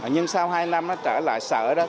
nhưng sau hai năm trở lại sở đó